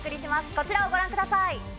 こちらをご覧ください。